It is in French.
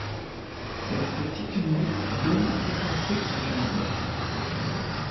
Cette petite moue donna à penser à Gringoire.